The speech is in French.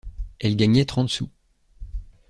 Elle gagnait trente sous.